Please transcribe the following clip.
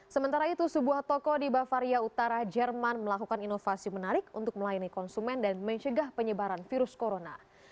sementara itu sebuah toko di bavaria utara jerman melakukan inovasi menarik untuk melayani konsumen dan mencegah penyebaran virus corona